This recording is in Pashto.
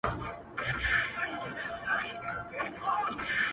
له دې سببه تاریکه ستایمه,